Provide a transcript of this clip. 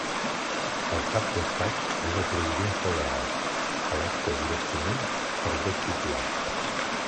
El cap d'estat és el president federal, electe directament per vot popular.